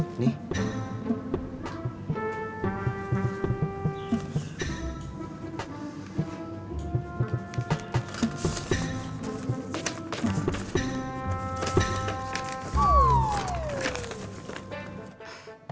abang kemarin tes kesuburan ya